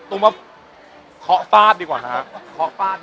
ตูมว่าขอฝาดดีกว่านะครับ